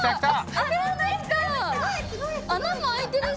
穴もあいてるし！